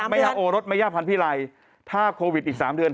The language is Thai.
พระเจ้าพันธุ์พิรายถ้าโควิดอีก๓เดือน